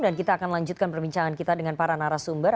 kita akan lanjutkan perbincangan kita dengan para narasumber